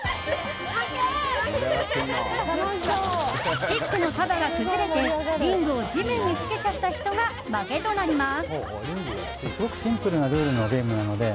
スティックの束が崩れてリングを地面につけちゃった人が負けとなります。